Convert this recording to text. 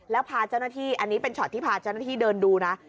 แล้วพาเจ้าหน้าที่อันนี้เป็นช็อตที่พาเจ้าหน้าที่เดินดูนะ